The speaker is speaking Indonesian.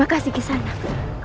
terima kasih kisah anak